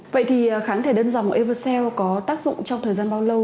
vậy thì kháng thể đơn dòng eversea có tác dụng trong thời gian bao lâu